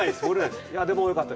でも、よかった。